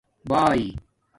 بآݺی